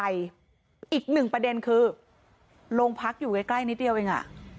อีกหนึ่งประเด็นคือโรงพักอยู่ใกล้นิดเดียวเอง